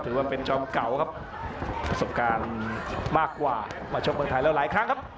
ถือว่าเป็นจอมเก่าครับประสบการณ์มากกว่ามาชกเมืองไทยแล้วหลายครั้งครับ